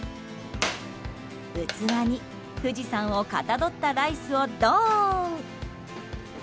器に富士山をかたどったライスをドーン！